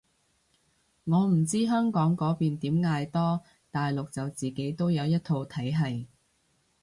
我唔知香港嗰邊點嗌多，大陸就自己都有一套體係